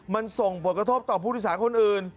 มันส่งปลดกระทบต่อผู้อุทิศาลจ์คนอื่น